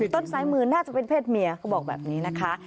ต้นซ้ายมือน่าจะเป็นเพศเมียเขาบอกแบบนี้นะคะ